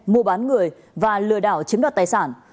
mua bán người và lừa đảo chiếm đoạt tài sản